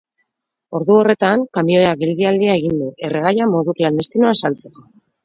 Ordu horretan, kamioiak geldialdia egin du, erregaia modu klandestinoan saltzeko.